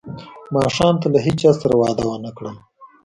ماښام ته له هیچا سره وعده ونه کړم.